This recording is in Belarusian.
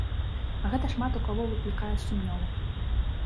А гэта шмат у каго выклікае сумнеў.